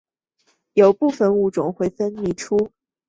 有部分物种会分泌出碳酸钙来建立栖管。